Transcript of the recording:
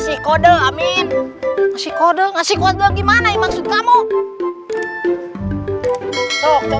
jika itulah lawan pembicaraan kita